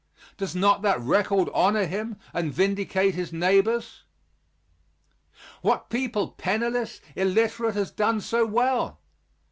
Does not that record honor him and vindicate his neighbors? What people, penniless, illiterate, has done so well?